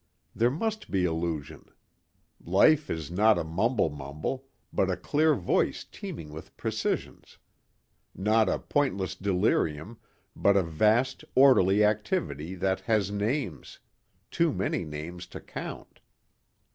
There must be illusion. Life is not a mumble mumble but a clear voice teeming with precisions. Not a pointless delirium but a vast, orderly activity that has names too many names to count.